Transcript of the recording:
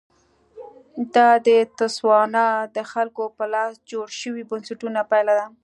دا د تسوانا د خلکو په لاس جوړ شویو بنسټونو پایله ده.